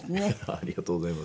ありがとうございます。